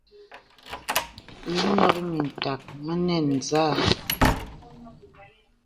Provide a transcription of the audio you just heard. Ìnɔ̄k mìtak mə nɛn zâ.